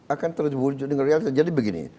akan terwujud dengan realitas jadi begini